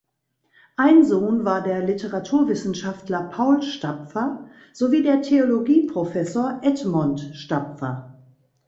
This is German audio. Ein Sohn war der Literaturwissenschaftler Paul Stapfer sowie der Theologieprofessor Edmond Stapfer.